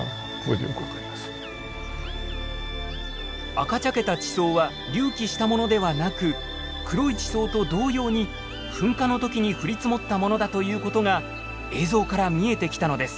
赤茶けた地層は隆起したものではなく黒い地層と同様に噴火の時に降り積もったものだということが映像から見えてきたのです。